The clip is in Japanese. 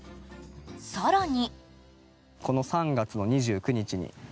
更に。